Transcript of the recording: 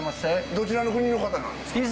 どちらの国の方なんですか。